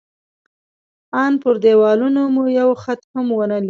ان پر دېوالونو مو یو خط هم ونه لید.